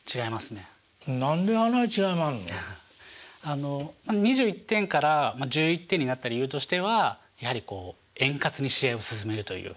あの２１点から１１点になった理由としてはやはりこう円滑に試合を進めるという。